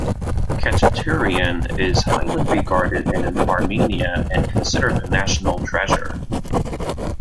Khachaturian is highly regarded in Armenia and considered a "national treasure".